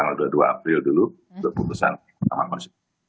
kita fokus untuk tanggal dua puluh dua april dulu untuk putusan pertama konsultasi